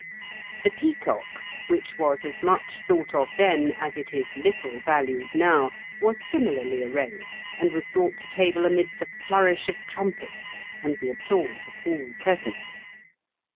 ] The peacock, which was as much thought of then as it is little valued now, was similarly arrayed, and was brought to table amidst a flourish of trumpets and the applause of all present.